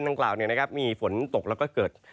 ดังกล่าวเนี่ยนะครับมีฝนตกแล้วก็เกิด